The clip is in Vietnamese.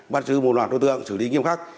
bất cứ một loạt đối tượng xử lý nghiêm khắc